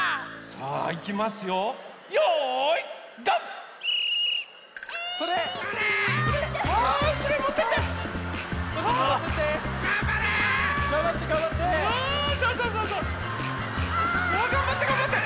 さあがんばってがんばって！